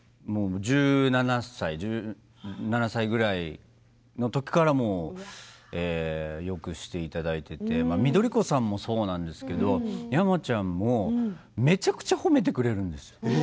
１７歳ぐらいの時からずっとよくしていただいていて緑子さんもそうなんですけど山ちゃんもめちゃくちゃ褒めてくれるんですよ